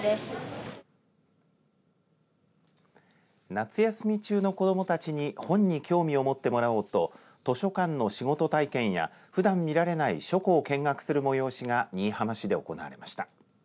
夏休み中の子どもたちに興味を持ってもらおうと図書館の仕事体験やふだん見られない書庫を見学する催しが新居浜市で行われました。